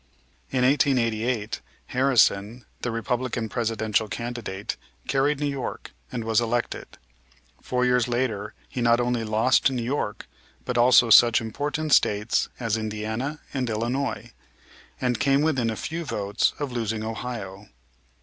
In 1888 Harrison, the Republican Presidential candidate, carried New York, and was elected; four years later he not only lost New York, but also such important States as Indiana and Illinois, and came within a few votes of losing Ohio.